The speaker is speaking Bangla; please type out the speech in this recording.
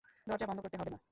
দরজা বন্ধ করতে হবে না?